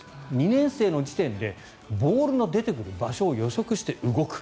２年生の時点でボールの出てくる場所を予測して動く。